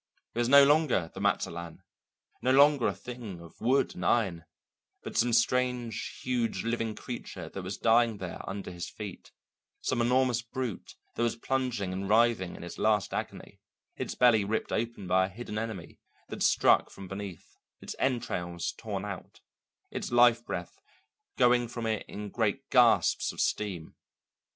It was no longer the Mazatlan, no longer a thing of wood and iron, but some strange huge living creature that was dying there under his feet, some enormous brute that was plunging and writhing in its last agony, its belly ripped open by a hidden enemy that struck from beneath, its entrails torn out, its life breath going from it in great gasps of steam.